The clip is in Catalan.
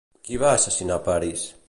Qui va assassinar Paris?